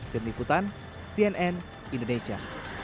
deniputan cnn indonesia